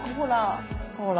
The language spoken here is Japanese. ほら。